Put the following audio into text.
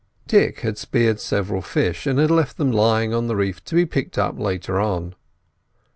Dick had speared several fish, and had left them lying on the reef to be picked up later on.